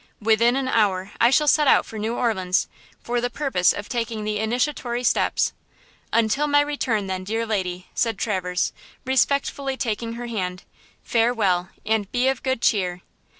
Within an hour I shall set out for New Orleans, for the purpose of taking the initiatory steps. Until my return then, dear lady," said Traverse, respectfully taking her hand– "farewell, and be of good cheer!"